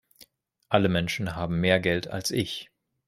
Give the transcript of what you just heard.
Alle Menschen haben mehr Geld als ich.